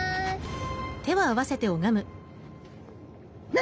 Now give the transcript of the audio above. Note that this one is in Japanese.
何？